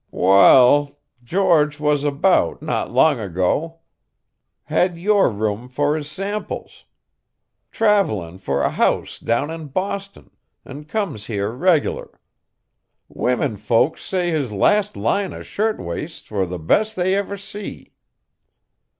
"Wa al, George was a beout not long ago. Had your room for his samples. Travellin' for a house down in Boston, and comes here reg'lar. Women folks say his last line o' shirt waists war the best they ever see."